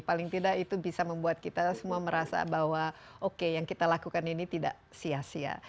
paling tidak itu bisa membuat kita semua merasa bahwa oke yang kita lakukan ini tidak sia sia